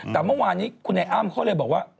แต่เมื่อวานนี้คุณไอ้อ้ำเขาเลยบอกว่า